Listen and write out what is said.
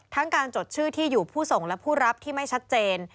การจดชื่อที่อยู่ผู้ส่งและผู้รับที่ไม่ชัดเจน